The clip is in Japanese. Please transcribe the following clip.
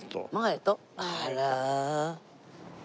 あら。